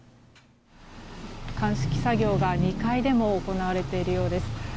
鑑識作業が２階でも行われているようです。